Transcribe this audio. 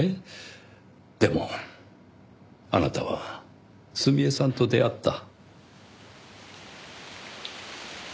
でもあなたは澄江さんと出会った。